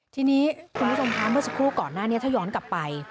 ทีนี้คุณผู้ชมคะเมื่อสักครู่ก่อนหน้านี้ถ้าย้อนกลับไป